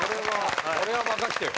これは任せてよ。